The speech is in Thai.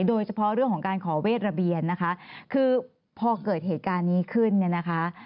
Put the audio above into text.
โดยเฉพาะเรื่องของการขอเวทระเบียนนะคะคือพอเกิดเหตุการณ์นี้ขึ้นเนี่ยนะคะ